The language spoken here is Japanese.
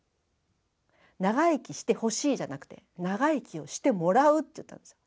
長生きしてほしいじゃなくて長生きをしてもらうって言ったんですよ。